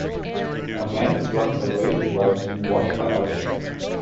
A man is running a race while being watched by others.